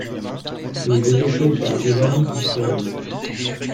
Il est développé par Giovanni Di Sirio.